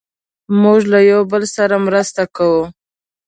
موږ له یو بل سره مرسته کوو.